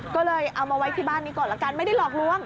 ก็เลยเอามาไว้ที่บ้านนี้ก่อนละกันไม่ได้หลอกลวง